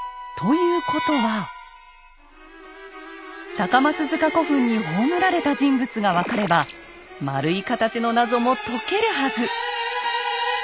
高松塚古墳に葬られた人物が分かれば円い形の謎も解けるはず。